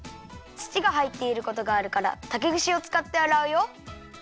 つちがはいっていることがあるからたけぐしをつかってあらうよ。